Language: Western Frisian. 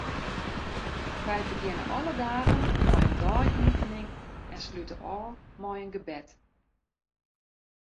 Wy begjinne alle dagen mei in dei-iepening en slute ôf mei in gebed.